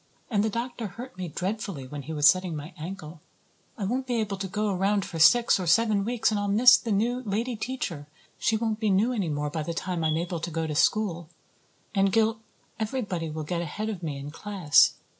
And the doctor hurt me dreadfully when he was setting my ankle. I won't be able to go around for six or seven weeks and I'll miss the new lady teacher. She won't be new any more by the time I'm able to go to school. And Gil everybody will get ahead of me in class.